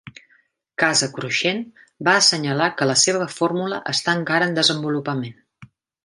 Casa Cruixent va assenyalar que la seva fórmula està encara en desenvolupament.